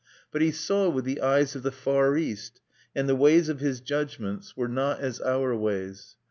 But he saw with the eyes of the Far East; and the ways of his judgments were not as our ways.